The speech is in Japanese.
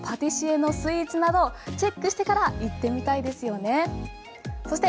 大正大学のパティシエのスイーツなどチェックしてから行ってみたいですよね。